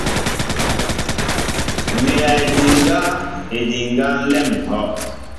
Ŋhɛjaʼédiŋga, édiŋga nlém ŋhɔʼ.